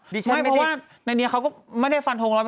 ไม่เพราะว่าในนี้เขาก็ไม่ได้ฟันทง๑๐๐